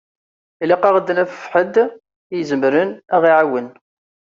Ilaq-aɣ ad d-naf ḥedd i izemren ad ɣ-iɛawen.